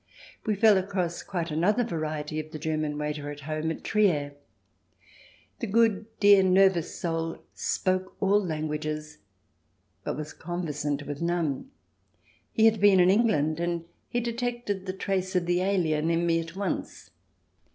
We fell across quite another variety of the German waiter at home at Trier. The good, dear, nervous soul spoke all languages, but was conversant with none. He had been in England, and he detected the trace of the alien in me at once.